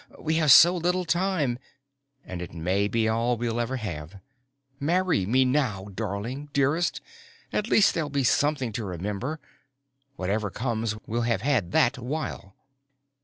We have so little time, and it may be all we'll ever have. Marry me now, darling, dearest, and at least there'll be something to remember. Whatever comes, we'll have had that while."